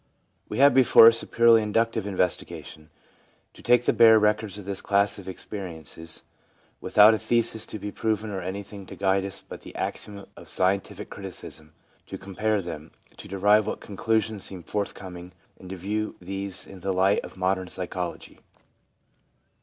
We have before us a purely inductive investiga tion, to take the bare records of this class of experiences, without a thesis to be proven or anything to guide us but the axioms of scientific criticism, to compare them, to derive what conclusions seem forthcoming, and to view these in the light of modern psychology.